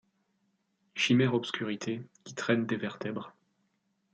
Chimère Obscurité qui traînes tes vertèbres